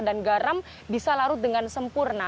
dan garam bisa larut dengan sempurna